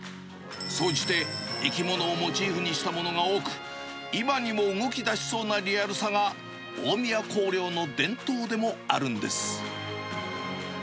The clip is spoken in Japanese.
総じて生き物をモチーフにしたものが多く、今にも動きだしそうなリアルさが大宮光陵の伝統でもあるんです。